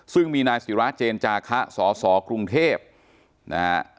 ซึ่งมีนายศิราเจนจาคะสสกรุงเทพนะฮะ